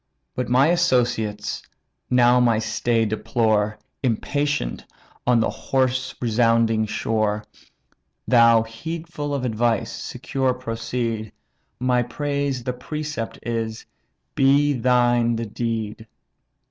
But my associates now my stay deplore, Impatient on the hoarse resounding shore. Thou, heedful of advice, secure proceed; My praise the precept is, be thine the deed.